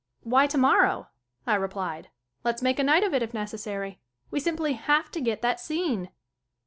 "Why tomorrow?" I replied. "Let's make a night of it if necessary. We simply have to get that scene."